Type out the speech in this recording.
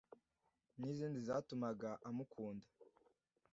n’izindi zatumaga amukunda,